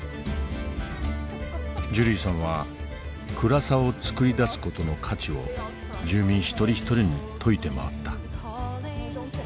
ジュリーさんは暗さを作り出す事の価値を住民一人一人に説いて回った。